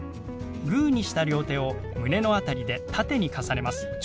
グーにした両手を胸の辺りで縦に重ねます。